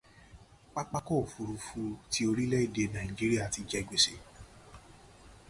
Pápákọ̀ òfurufú ti orílẹ̀ èdè Nàìjíríà ti jẹ gbèsè.